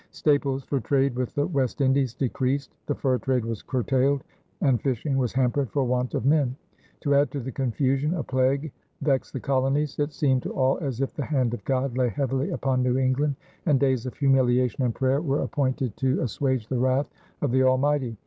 Staples for trade with the West Indies decreased; the fur trade was curtailed; and fishing was hampered for want of men. To add to the confusion, a plague vexed the colonies. It seemed to all as if the hand of God lay heavily upon New England, and days of humiliation and prayer were appointed to assuage the wrath of the Almighty.